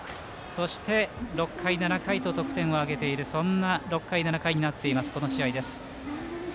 そして６回、７回と得点を挙げている６回、７回になっているこの試合です。